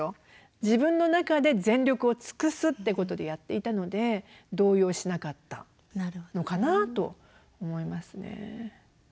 自分の中で全力を尽くすってことでやっていたので動揺しなかったのかなと思いますね。